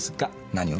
何を？